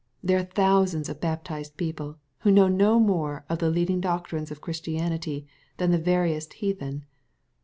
There are thousands of baptized people, who know no more of the leading doctrines of Christianity than the veriest heathen.